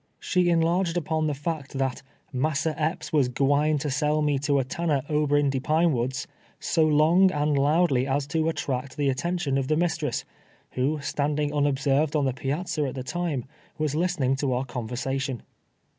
She enlarged upon the fact that " Massa Epps was g'wine to sell me to a tanner ober in de Pine Woods," so long and loudly as to attract the at tention of tlie mistress, who, standing unobserved on the piazza at the time, was listening to our conver sation.